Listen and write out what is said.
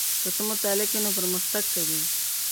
که ته مطالعه کوې نو پرمختګ کوې.